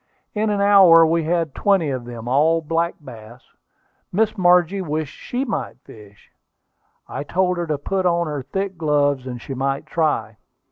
In an hour we had twenty of them, all black bass. Miss Margie wished she might fish; I told her to put on her thick gloves and she might try.